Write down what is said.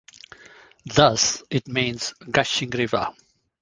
Thus it means "gushing river".